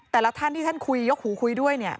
แต่ละท่านที่ท่านคุยยกหูคุยด้วยเนี่ย